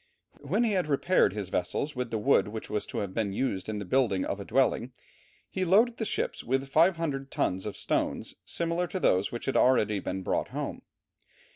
When he had repaired his vessels with the wood which was to have been used in the building of a dwelling, he loaded the ships with 500 tons of stones similar to those which he had already brought home.